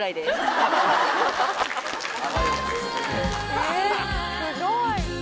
えっすごい。